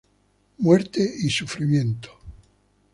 Muerte y sufrimiento.